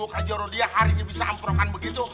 buka joroh dia hari ini bisa amprokan begitu